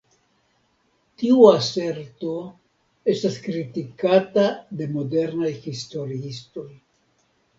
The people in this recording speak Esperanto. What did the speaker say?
Tiu aserto estas kritikata de modernaj historiistoj.